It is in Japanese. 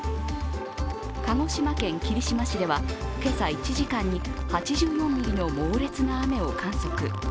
鹿児島県霧島市では今朝１時間に８４ミリの猛烈な雨を観測。